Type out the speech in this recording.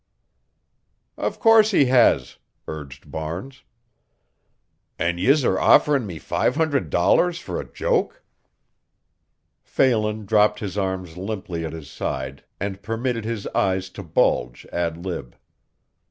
"Of course he has," urged Barnes. "And yez are offering me five hundred dollars for a joke?" Phelan dropped his arms limply at his side and permitted his eyes to bulge ad lib.